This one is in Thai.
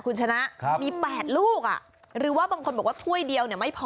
คุณชนะมี๘ลูกหรือว่าบางคนบอกว่าถ้วยเดียวเนี่ยไม่พอ